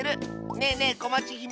ねえねえこまちひめ。